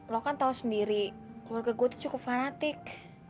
lo kan tau sendiri keluarga gue tuh cukup fanatik